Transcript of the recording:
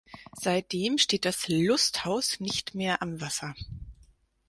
Seitdem steht das Lusthaus nicht mehr am Wasser.